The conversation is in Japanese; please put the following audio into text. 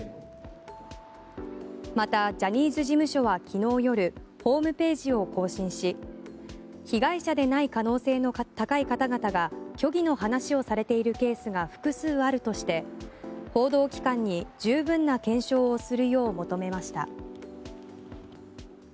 またジャニーズ事務所は昨日夜、ホームページを更新し被害者でない可能性の方々が虚偽の話をされているケースが複数あるとして報道機関に十分な検証をするよう求めました。